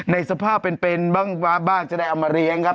ในสภาพเป็นบ้างจะได้เอามาเลี้ยงครับ